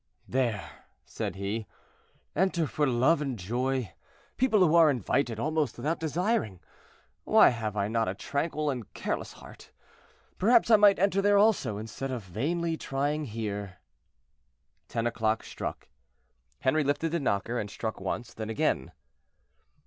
"There," said he, "enter for love and joy, people who are invited almost without desiring; why have I not a tranquil and careless heart? Perhaps I might enter there also, instead of vainly trying here." Ten o'clock struck. Henri lifted the knocker and struck once, then again.